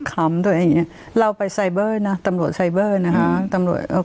เขาบอกเหรอหรือไง